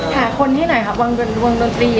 หาคนให้หน่อยค่ะวางดวงดนตรี